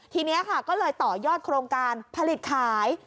ทีนี้ค่ะก็เลยต่อยอดโครงการผลิตขาย